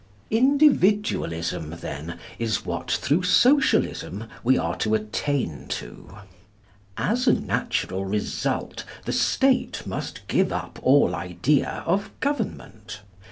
Individualism, then, is what through Socialism we are to attain to. As a natural result the State must give up all idea of government.